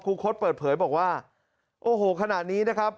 คลุ้นโครดเปิดเผยบอกว่าโอ้โหขนาดนี้นะครับ